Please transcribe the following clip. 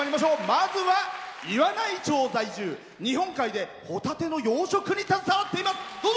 まずは岩内町在住日本海で、ほたての養殖に携わっています。